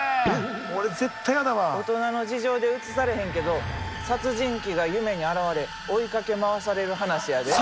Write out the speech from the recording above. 大人の事情で映されへんけど殺人鬼が夢に現れ追いかけ回される話やで。